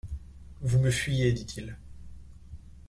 Vous me fuyez, dit-il.